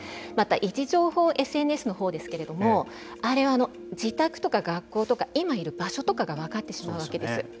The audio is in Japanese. また位置情報ＳＮＳのほうですけれどもあれは自宅とか学校とか今いる場所とかが分かってしまうわけです。